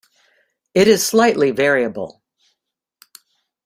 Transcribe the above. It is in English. It is slightly variable.